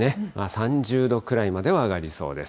３０度くらいまでは上がりそうです。